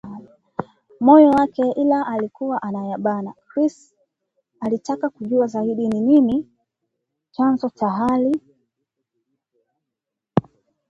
moyo wake ila alikuwa anayabana! Chris alitaka kujua zaidi ni nini chanzo halisi cha hali